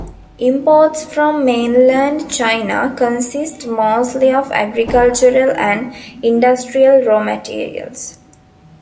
Imports from mainland China consist mostly of agricultural and industrial raw materials.